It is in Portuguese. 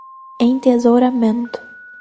Entesouramento